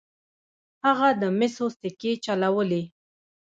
هغه د مسو سکې چلولې.